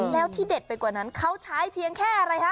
แล้วที่เด็ดไปกว่านั้นเขาใช้เพียงแค่อะไรคะ